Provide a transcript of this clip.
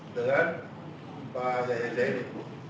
dengan pak yaya jaini